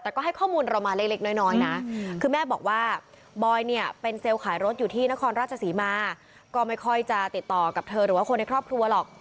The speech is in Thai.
แต่ก็ให้ข้อมูลเรามาเล็กน้อยนะคือแม่บอกว่าบอยเนี่ยเป็นเซลล์ขายรถอยู่ที่นครราชศรีมาก็ไม่ค่อยจะติดต่อกับเธอหรือว่าคนในครอบครัวหรอก